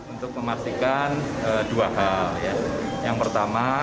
untuk memastikan dua hal yang pertama